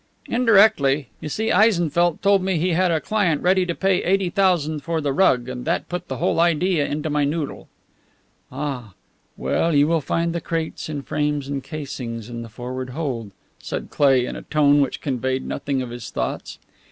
"Indirectly. You see, Eisenfeldt told me he had a client ready to pay eighty thousand for the rug, and that put the whole idea into my noodle." "Ah! Well, you will find the crates and frames and casings in the forward hold," said Cleigh in a tone which conveyed nothing of his thoughts.